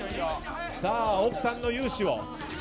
奥さんの雄姿を。